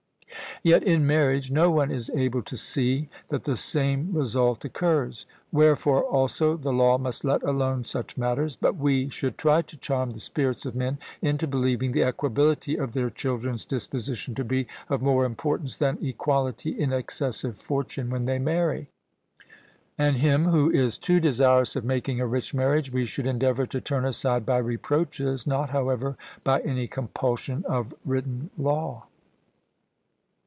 Yet in marriage no one is able to see that the same result occurs. Wherefore also the law must let alone such matters, but we should try to charm the spirits of men into believing the equability of their children's disposition to be of more importance than equality in excessive fortune when they marry; and him who is too desirous of making a rich marriage we should endeavour to turn aside by reproaches, not, however, by any compulsion of written law.